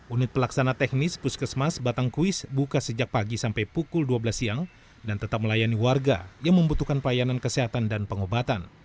unit pelaksana teknis puskesmas batangkuis buka sejak pagi sampai pukul dua belas siang dan tetap melayani warga yang membutuhkan pelayanan kesehatan dan pengobatan